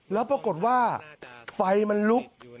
แล้วปรากฏว่าไฟมันลุก